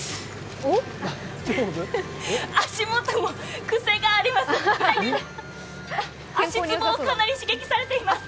足元も癖があります。